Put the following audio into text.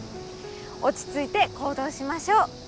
落ち着いて行動しましょう。